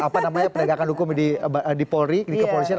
pernegakan hukum di polri di kepolisian